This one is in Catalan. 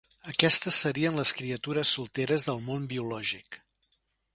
Aquestes serien les criatures solteres del món biològic.